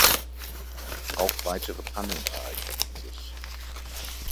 Auch weitere Pannen ereigneten sich.